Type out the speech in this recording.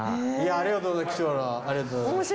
ありがとうございます。